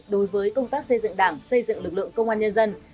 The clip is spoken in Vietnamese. đối với công tác xây dựng đảng xây dựng lực lượng công an nhân dân